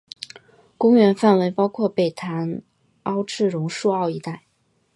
公园范围包括北潭凹至榕树澳一带。